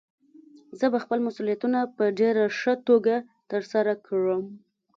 زه به خپل مسؤليتونه په ډېره ښه توګه ترسره کړم.